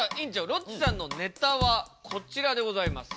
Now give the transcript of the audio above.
ロッチさんのネタはこちらでございます。